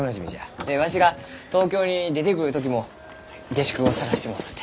わしが東京に出てくる時も下宿を探してもろうて。